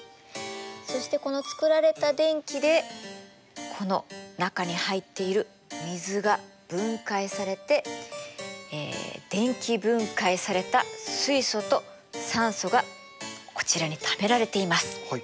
そしてこのつくられた電気でこの中に入っている水が分解されてえ電気分解された水素と酸素がこちらにためられています。